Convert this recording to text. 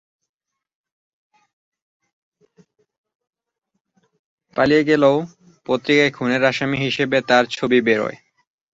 পালিয়ে গেলেও পত্রিকায় খুনের আসামী হিসেবে তার ছবি বেরোয়।